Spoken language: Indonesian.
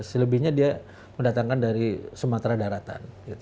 selebihnya dia mendatangkan dari sumatera daratan